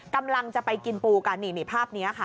กำลังจะไปกินปูกันนี่ภาพนี้ค่ะ